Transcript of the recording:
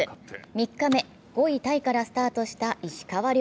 ３日目、５位タイからスタートした石川遼。